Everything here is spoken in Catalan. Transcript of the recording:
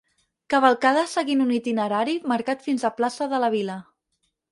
Cavalcada seguint un itinerari marcat fins a plaça de la vila.